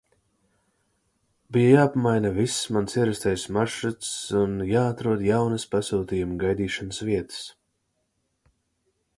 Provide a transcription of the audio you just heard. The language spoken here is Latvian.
Bija jāpamaina viss mans ierastais maršruts un jāatrod jaunas pasūtījumu gaidīšanas vietas.